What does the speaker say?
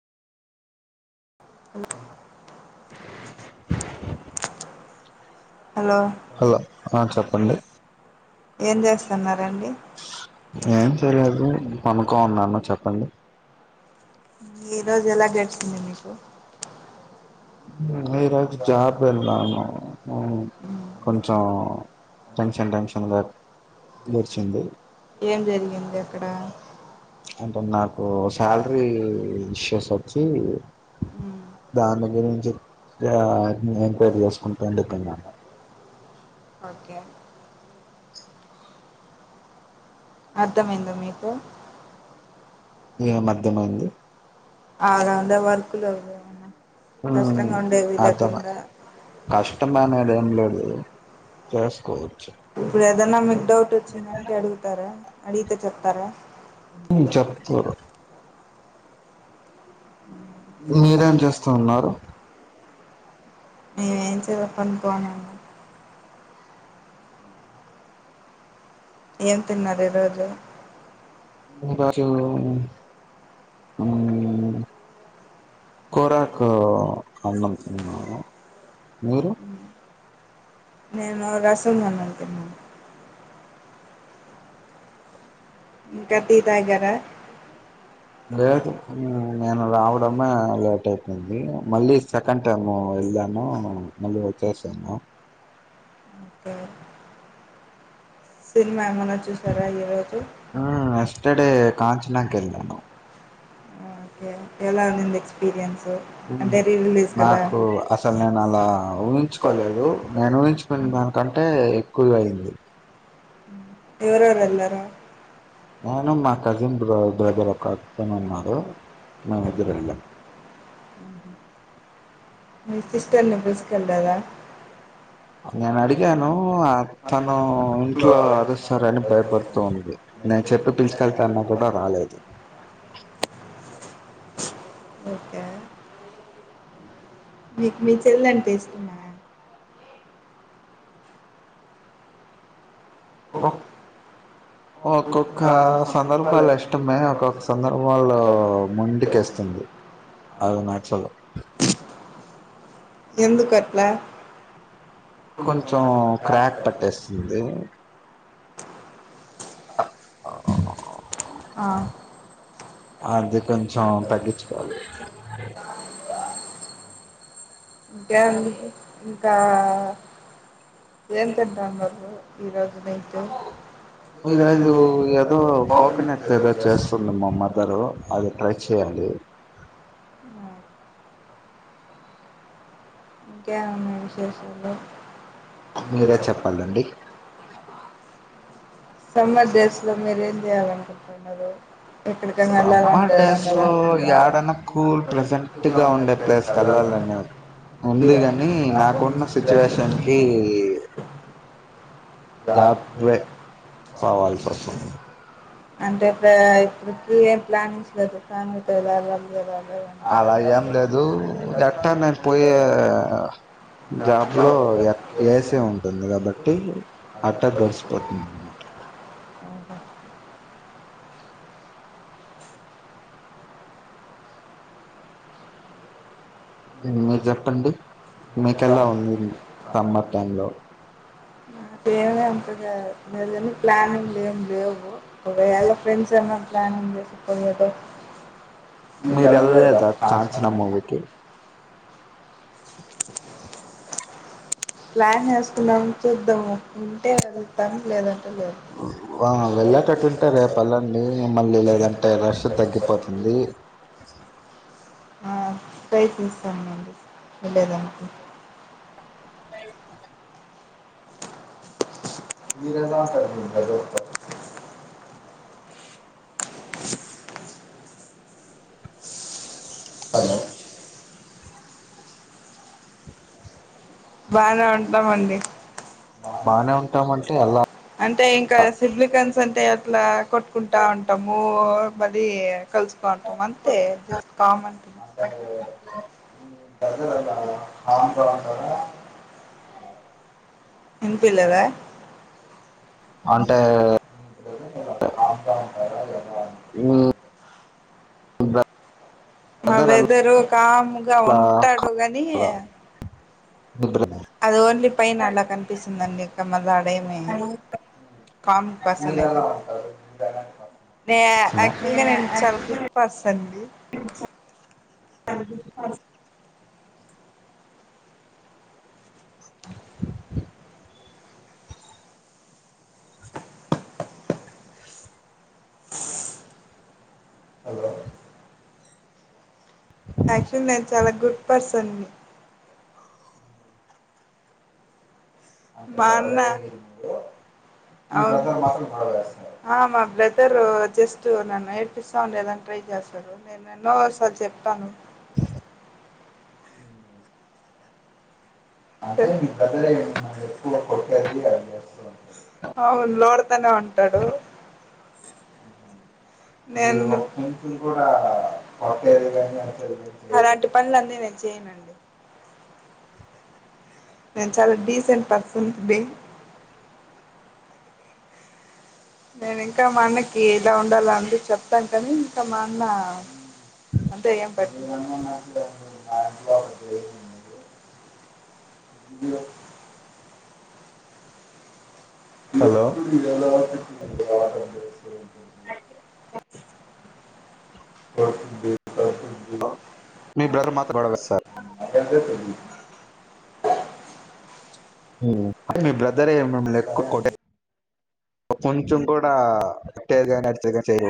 అలో hello hello ఆ చెప్ప పండే ఏం చేస్తన్నారండి అనుకో ఉన్నాను చెప్పండి ఈరోజు ఎలా గడిచింది మీకు మీ రోజ్ జాబ్ కి వెళ్లాను అవును కొను చం టెన్షన్ టెన్షన్గా గడిచింది ఏం జరిగింది అక్కడ అంటే నాకు శాలరీ విషస్ చి దాని దగ్గర నుంచి ఎంక్వైరీ చేసుకుంటాడు కన్నా ఓకే అర్థమైంద మీకు ఏ మధ్య మధ్య అదాందా వ ఇక వాద్ ఏమన్నా కష్టంగా ఉండేవి లేకుండా కష్టం అనేది ఏం లేదు చేసుకోవచ్చు ధనమే డౌట్ వచ్చిందంటే అడుగుతారా అడిగితే చెప్తారా చెప్తారు మీరేం చేస్తూ ఉన్నారు మేమేం చెయప్పనుకోన్నాము ఏం తిన్నారు ఈ రోజు ఈరోజు కురాకు అన్నము తిన్నాము మీరు నేను రాసున్నానం ఇంకా టీ తాగారా దేతు ఆ నేను రావడమే లేట్ అయిపోయింది మళ్ళీ సెకండ్ టైమ్ వెళ్లాను మళ్ళీ వచ్చేసాను సిని ఆ ఎస్టర్డే కాంచనాకు వెళ్లాను ఓకే ఎలా ఉన్నింది ఎక్స్పీరియన్స్ అంటే రీ రిలీజ్ కదా నాకు అసలు నేను అలా ఊహించుకోలేదు నేను ఊహించుకున దానికంటే ఎక్కువ అయ్యింది ఉంది ఎవరెవరు వెళ్ళారు భాను మా కజిన్ బ్ర బ్రదర్ ఒకతను ఉన్నాడు మేము ఇద్దరు వెళ్ళాం మీ సిస్టర్ ని తీసుకెల లేదా నేను అడిగాను ఆ మనం ఇంట్లో అరుస్తారని భయపడుతుంది ంది నేను చెప్పి పిలిచుకెల్తా అన్నా కూడా రాలేదు ఓకే మీకు మీ చెల్లి అంటే ఇష్టమా ఓ ఒక్కొక్క సందర్భాలు ఇష్టమే ఒక్కొక్క సందర్భల్లో మొండికేస్తుంది ఎందుకు అట్లా కొంచెం క్రాక్ పట్టేస్తుంది ఆ అది కొంచెం తగ్గించుకోవాలి గ్యాం ఇంకా [unintelligible] ఏం తింటాండారు ఈరోజు నైటు ఈ రోజు ఏదో కోకోనెట్ తో ఏదో చేస్తుంది మా మదరు అది ట్రై చేయాలి ఇంకేమి ఉన్నాయి విశేషాలు మీరే చెప్పాలండి సమ్మర్ డేస్ లొ మీరు ఏం చేయాలి అనుకుంటున్నారు సమ్మర్ డేస్ లో ఏడన కూల్ ప్లెజెంట్గా ఉండే ప్లేస్ క వెళ్ళాలని ఉంది కాని నాకున్న సిచ్యువేషన్ కి జాబ్ [unintelligible] సవాల్ స స అంటే ఇప్పుడ ఇప్పుడికి ఏం ప్లానింగ్స్ లేదు కాానిట వె వెాలి [unintelligible] అలా ఏం లేదు [unintelligible] మీరు చెప్పండి మికెలా ఉంది సమ్మర్‌‌ టైం లో [inaudible] వేరేమి ప్లానింగ్ లేమ్ లేవు ఒకవేళ ఫ్రెండ్స్ ఏమన్నా ప్లానింగ్ చేసి పోయెదో మీరు ఎళ్లలేదా కాంచన మూవీ కి [unintelligible] ప్లాన్ వెసుకున్నాం లేదంటే లేదు ఆ వెళ్ళేటట్టుంటే రేపు వెళ్ళండి మళ్ళీ లేదంటే రష్ తగ్గిపోతుంది ఆ ప్రయత్నిస్తామండి వెళ్ళేదానికి బానే ఉంటామండి బానే ఉంటామంటే ఎలా అంటే ఇంకా సిబ్లికన్స్ అంటే అట్లా కొట్టుకుంటా ఉంటాము మళ్ళీ కలుసుకుంటాం అంతే జస్ట్ కామన్ వినిపిలేదా అంటే మీ మా బ్రదర్ వెదరు కామ్గా అలా ఉంటాడు గాని అది ఓన్లీ పైన అలా కనిపిస్తుందండి ఇక మళ్ళీ ఆడేమి కామ్ పర్సన్ నే యాక్చువల్గా నేను చాలా గుడ్ పర్సన్ ని యాక్చువల్ నేను చాలా గుడ్ పర్సన్ ని మా అన్న అవును ఆ మా బ్రదర్ జస్ట్ నన్ను ఏడిపిస్తా ఉండు ఏదైనా ట్రై చేస్తాడు నేను ఎన్నో సార్లు చెప్తాను అవును లోడతానే ఉంటాడు నేను అలాంటి పనులన్నీ నేను చేయనండి నేను చాలా డీసెంట్ పర్సన్ ని నేను ఇంకా మా అన్నకి ఇలా ఉండాల అందు చెప్తాను కానీ ఇంకా మా అన్న అంతే ఏం పట్టించుకోడు హలో మీ బ్రదర్ మాత్రం గొడవ చేస్తారు మీ బ్రదరే మిమ్మల్ని ఎక్కువ కొట్టే కొంచెం కూడా కొట్టేది గాని అరిచేది గాని చేయరు